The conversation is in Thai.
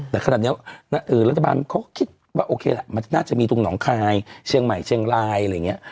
แต่ขนาดเนี้ยรัฐบาลเขาคิดว่าโอเคจะมีทุ่งหนองคลายเชียงใหม่เชียงรายอะไรอย่างเงี้ย